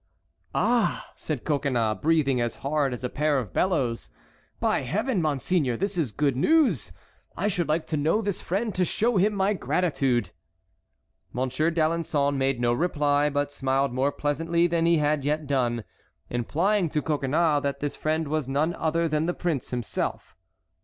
"Ah!" said Coconnas, breathing as hard as a pair of bellows. "By Heaven, monseigneur, this is good news, and I should like to know this friend to show him my gratitude." Monsieur d'Alençon made no reply, but smiled more pleasantly than he had yet done, implying to Coconnas that this friend was none other than the prince himself.